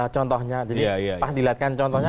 contohnya jadi pas dilihatkan contohnya